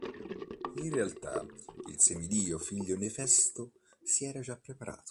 In realtà, il semidio figlio di Efesto, si era già preparato.